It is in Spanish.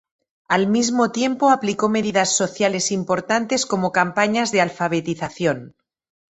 Al mismo tiempo aplicó medidas sociales importantes como campañas de alfabetización.